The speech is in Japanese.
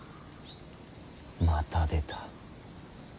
また出た。